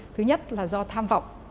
thứ nhất là do tham vọng